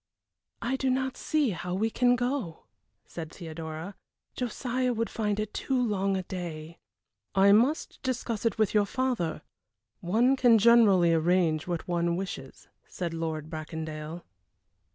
"I do not see how we can go," said Theodora. "Josiah would find it too long a day." "I must discuss it with your father; one can generally arrange what one wishes," said Lord Bracondale.